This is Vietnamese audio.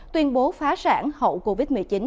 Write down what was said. tuyên bố phá sản hậu covid một mươi chín